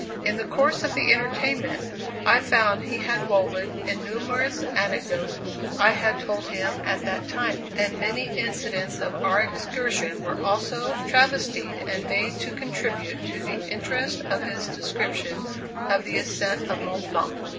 In the course of the entertainment, I found he had woven in numerous anecdotes I had told him at that time, and many incidents of our excursion were also travestied and made to contribute to the interest of his description of the ascent of Mont Blanc.